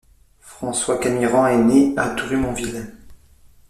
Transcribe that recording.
François Camirand est né à Drummondville.